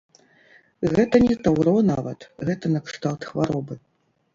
Гэта не таўро нават, гэта накшталт хваробы.